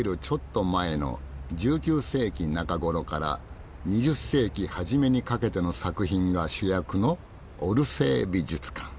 ちょっと前の１９世紀中頃から２０世紀初めにかけての作品が主役のオルセー美術館。